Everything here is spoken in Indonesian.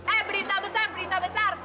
eh berita besar berita besar